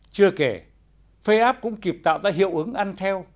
chưa kể faceap cũng kịp tạo ra hiệu ứng ăn theo